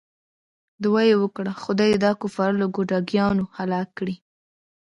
دعا یې وکړه خدای دې دا کفار له ګوډاګیانو هلاک کړي.